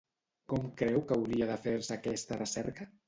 Com creu que hauria de fer-se aquesta recerca?